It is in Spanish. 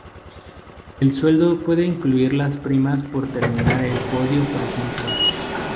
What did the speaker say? El sueldo puede incluir las primas por terminar en podio, por ejemplo.